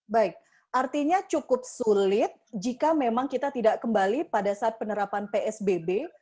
baik artinya cukup sulit jika memang kita tidak kembali pada saat penerapan psbb